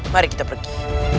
mari kita pergi